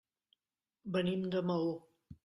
Venim de Maó.